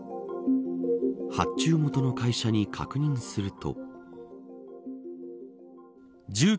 発注元の会社に確認すると。